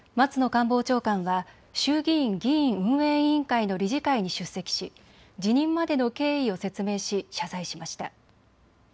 官房長官は衆議院議院運営委員会の理事会に出席し辞任までの経緯を説明し謝罪しました。